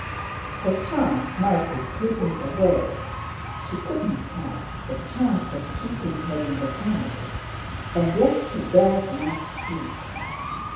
The chance might be slipping away—she couldn't tell—the chance of keeping her in the family, and yet she dared not speak.